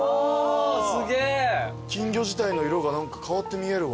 金魚自体の色が変わって見えるわ。